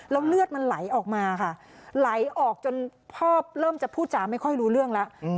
แล้วเลือดมันไหลออกมาค่ะไหลออกจนพ่อเริ่มจะพูดจาไม่ค่อยรู้เรื่องแล้ว